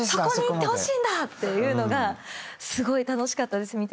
そこに行ってほしいんだ！っていうのがすごい楽しかったです